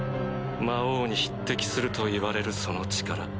魔王に匹敵するといわれるその力。